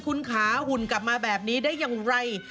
คุณขาหุ่นกลับมาแบบนี้ได้อย่างไร